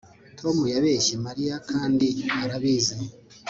Tom yabeshye Mariya kandi arabizi